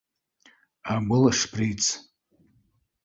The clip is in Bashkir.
Ә был шприц